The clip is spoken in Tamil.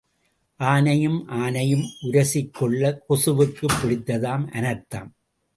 ஆனையும் ஆனையும் உரசிக் கொள்ளக் கொசுவுக்குப் பிடித்ததாம் அனர்த்தம்.